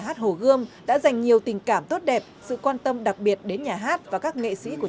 hát hồ gươm đã dành nhiều tình cảm tốt đẹp sự quan tâm đặc biệt đến nhà hát và các nghệ sĩ của